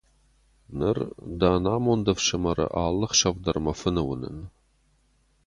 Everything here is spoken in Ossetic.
Ныр дӕ ӕнамонд ӕфсымӕры алы ӕхсӕв дӕр мӕ фыны уынын.